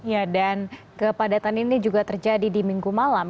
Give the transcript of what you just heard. ya dan kepadatan ini juga terjadi di minggu malam